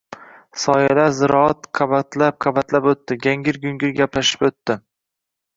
Soyalar ziroat qabatlab-qabatlab o‘tdi. Gangir-gungir gaplashib o‘tdi: